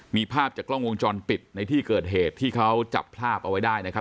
มีภาพจากกล้องวงจรปิดในที่เกิดเหตุที่เขาจับภาพเอาไว้ได้นะครับ